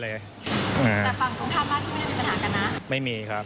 แต่ฝั่งตรงข้ามบ้านที่ไม่ได้มีปัญหากันนะไม่มีครับ